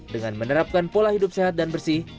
dengan menerapkan pola hidup sehat dan bersih